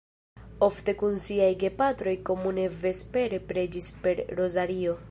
Ofte kun siaj gepatroj komune vespere preĝis per rozario.